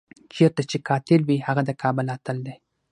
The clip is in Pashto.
چېرته چې قاتل وي هغه د کابل اتل دی.